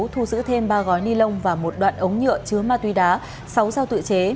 thu giữ thêm ba gói ni lông và một đoạn ống nhựa chứa ma túy đá sáu dao tự chế